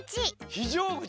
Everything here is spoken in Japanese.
ひじょうぐち！